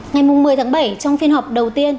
ngày một mươi tháng bảy trong phiên họp đầu tiên